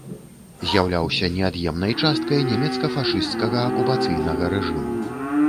З'яўляліся неад'емнай часткай нямецка-фашысцкага акупацыйнага рэжыму.